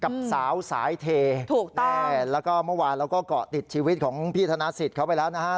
กับสาวสายเทถูกต้องแล้วก็เมื่อวานเราก็เกาะติดชีวิตของพี่ธนสิทธิ์เขาไปแล้วนะฮะ